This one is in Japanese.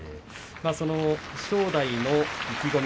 正代の意気込み